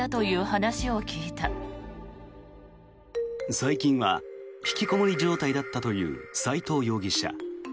最近は引きこもり状態だったという斎藤容疑者。